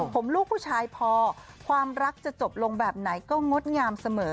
ผมลูกผู้ชายพอความรักจะจบลงแบบไหนก็งดงามเสมอ